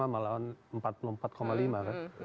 lima puluh lima lima malahan empat puluh empat lima kan